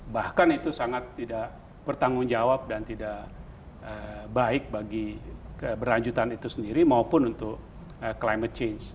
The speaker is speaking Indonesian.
bahkan itu sangat tidak bertanggung jawab dan tidak baik bagi keberlanjutan itu sendiri maupun untuk climate change